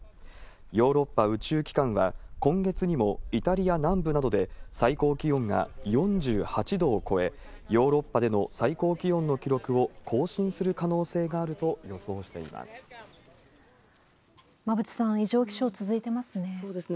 ヨーロッパ宇宙機関は、今月にもイタリア南部などで、最高気温が４８度を超え、ヨーロッパでの最高気温の記録を更新する可能性があると予想して馬渕さん、異常気象続いてまそうですね。